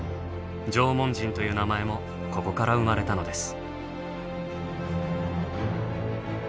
縄文人という名前もここから生まれたのです。